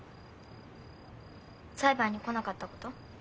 裁判に来なかったこと？